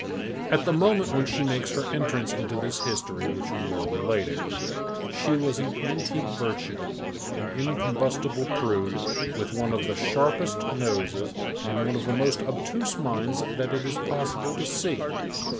At the moment when she makes her entrance into this history which we are relating, she was an antique virtue, an incombustible prude, with one of the sharpest noses, and one of the most obtuse minds that it is possible to see.